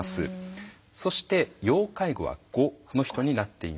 そして要介護は５の人になっています。